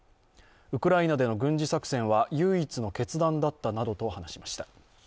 ウクライナでの軍事作戦は唯一の決断だったなどと話しました。